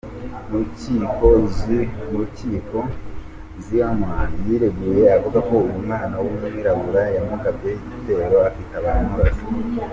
Mu rukiko, Zimmerman yireguye avuga ko uyu mwana w’umwirabura yamugabyeho igitero akitabara aramurasa.